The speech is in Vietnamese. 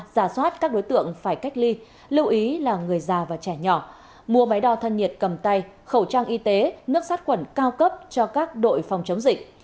giả soát các đối tượng phải cách ly lưu ý là người già và trẻ nhỏ mua máy đo thân nhiệt cầm tay khẩu trang y tế nước sát khuẩn cao cấp cho các đội phòng chống dịch